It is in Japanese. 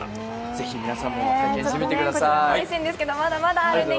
ぜひ皆さんも体験してみてください。